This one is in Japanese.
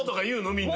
みんな。